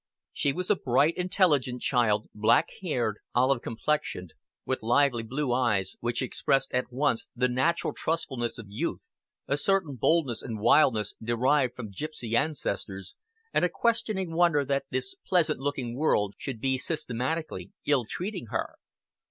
She was a bright, intelligent child, black haired, olive complexioned, with lively blue eyes which expressed at once the natural trustfulness of youth, a certain boldness and wildness derived from gipsy ancestors, and a questioning wonder that this pleasant looking world should be systematically ill treating her.